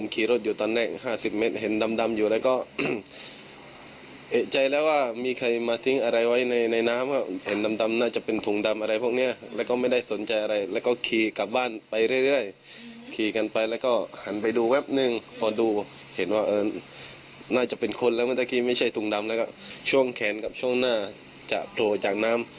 คนแล้วเมื่อเมื่อกี้ไม่ใช่ถุงดำแล้วก็ช่วงแขนกับช่วงหน้าจะโผล่จากน้ำ